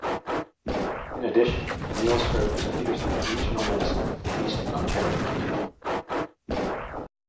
In addition, O'Neil served as Peterson's regional minister for eastern Ontario.